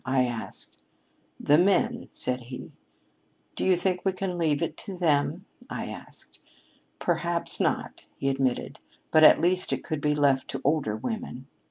I asked. 'The men,' said he. 'Do you think we can leave it to them?' I asked. 'Perhaps not,' he admitted. 'But at least it could be left to older women.'